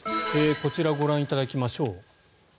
こちら、ご覧いただきましょう。